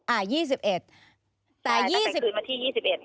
อ่า๒๑แต่คืนวันที่๒๑